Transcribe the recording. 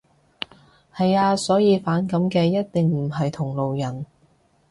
係呀。所以反感嘅一定唔係同路人